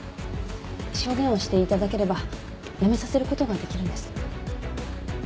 証言をしていただければやめさせることができるんです。